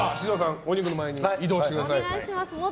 お肉の前に移動してください。